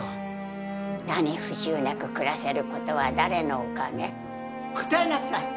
何不自由なく暮らせることは誰のおかげ？答えなさい！